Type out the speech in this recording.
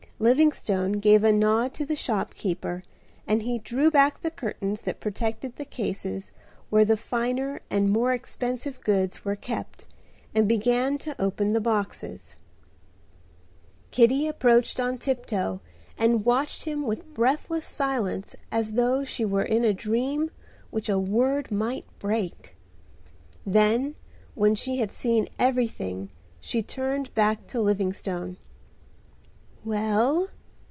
Livingstone gave a nod to the shopkeeper and he drew back the curtains that protected the cases where the finer and more expensive goods were kept and began to open the boxes. Kitty approached on tiptoe and watched him with breathless silence as though she were in a dream which a word might break. Then when she had seen everything she turned back to Livingstone. "Well!"